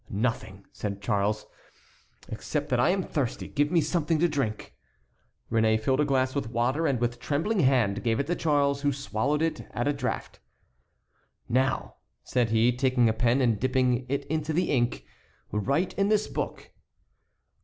"Nothing," said Charles, "except that I am thirsty. Give me something to drink." Réné filled a glass with water and with trembling hand gave it to Charles, who swallowed it at a draught. "Now," said he, taking a pen and dipping it into the ink, "write in this book."